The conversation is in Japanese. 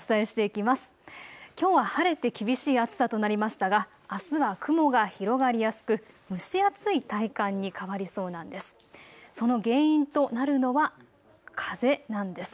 きょうは晴れて厳しい暑さとなりましたがあすは雲が広がりやすく蒸し暑い体感に変わりそうなんです。